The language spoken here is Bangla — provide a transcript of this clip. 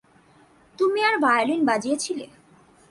তুমি আর ভায়োলিন বাজিয়েছিলে?